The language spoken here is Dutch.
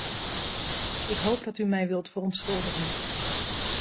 Ik hoop dat u mij wilt verontschuldigen.